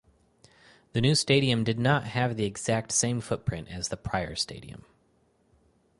The new stadium did not have the exact same footprint as the prior stadium.